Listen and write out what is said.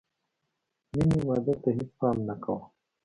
مینې واده ته هېڅ پام نه کاوه